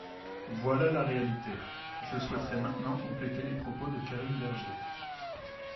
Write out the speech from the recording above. Voilà la réalité ! Je souhaiterais maintenant compléter les propos de Karine Berger.